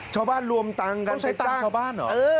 ชาวบ้านรวมตังค์กันต้องใช้ตังค์ชาวบ้านเหรอ